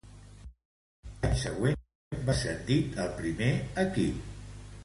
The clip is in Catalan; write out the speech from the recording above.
L'any següent, va ser ascendit al primer equip.